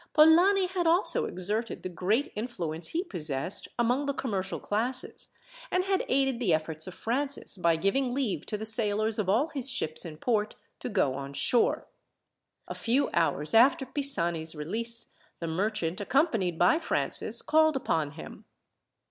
Polani had also exerted the great influence he possessed among the commercial classes, and had aided the efforts of Francis, by giving leave to the sailors of all his ships in port to go on shore. A few hours after Pisani's release the merchant, accompanied by Francis, called upon him.